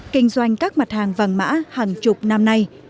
kinh doanh các mặt hàng vàng mã hàng chục năm nay